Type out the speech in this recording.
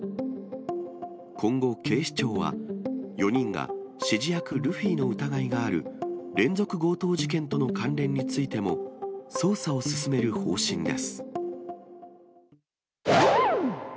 今後、警視庁は４人が指示役ルフィの疑いがある連続強盗事件との関連についても、捜査を進める方針です。